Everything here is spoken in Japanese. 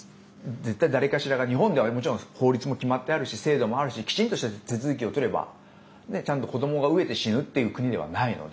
絶対、誰かしらが、日本ではきちんと法律も決まってあるし制度もあるしきちんとした手続きをとれば子どもが飢えて死ぬっていう国ではないので。